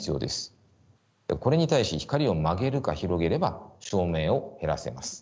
これに対し光を曲げるか広げれば照明を減らせます。